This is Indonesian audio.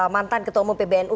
mantan ketua umum pbnu